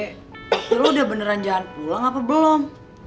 waktu lo udah beneran jalan pulang apa belum